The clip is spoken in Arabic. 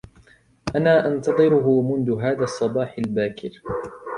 انا انتظره منذ هذا الصباح الباكر.